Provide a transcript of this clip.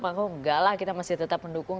kalau enggak lah kita masih tetap mendukung